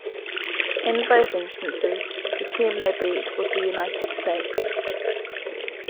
In both instances, the team they beat was the United States.